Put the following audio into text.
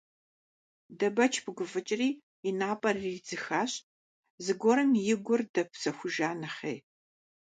Дэбэч пыгуфӀыкӀри, и напӀэр иридзыхащ, зыгуэрым и гур дэпсэхужа нэхъей.